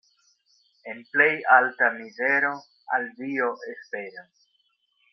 En plej alta mizero al Dio esperu.